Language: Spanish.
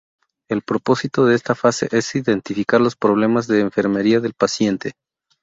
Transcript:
El propósito de esta fase es identificar los problemas de enfermería del paciente.